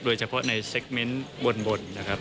โดยเฉพาะในเซ็กเมนต์วนนะครับ